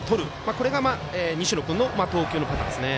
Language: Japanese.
これが、西野君の投球のパターンですね。